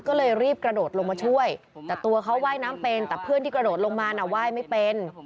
ก็เลยรีบกระโดดลงมาช่วยแต่ตัวเขาว่ายน้ำเป็นแต่เพื่อนที่กระโดดลงมาน่ะไหว้ไม่เป็น